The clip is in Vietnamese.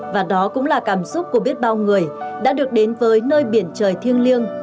và đó cũng là cảm xúc của biết bao người đã được đến với nơi biển trời thiêng liêng